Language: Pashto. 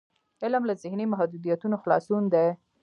علم له ذهني محدودیتونو خلاصون دی.